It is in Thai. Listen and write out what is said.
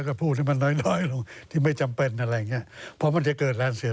ก็พูดให้มันน้อยลงที่ไม่จำเป็นอะไรอย่างนี้